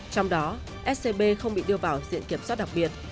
trong đó scb không bị đưa vào diện kiểm soát đặc biệt